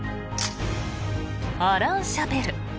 アラン・シャペル。